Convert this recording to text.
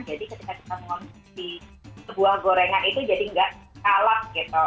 jadi ketika kita mengonsumsi sebuah gorengan itu jadi nggak kalah gitu